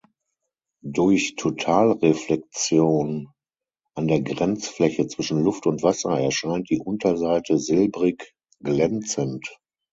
Durch Totalreflexion an der Grenzfläche zwischen Luft und Wasser erscheint die Unterseite silbrig glänzend.